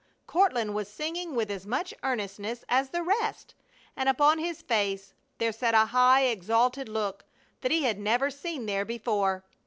Courtland was singing with as much earnestness as the rest; and upon his face there sat a high, exalted look that he had never seen there before.